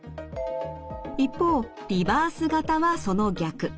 一方リバース型はその逆。